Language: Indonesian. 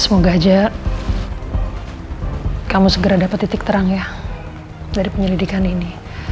semoga aja kamu segera dapat titik terang ya dari penyelidikan ini